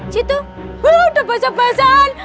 gitu udah basah basaan